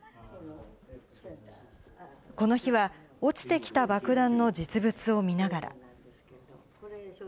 この日は、落ちてきた爆弾の実物を見ながら。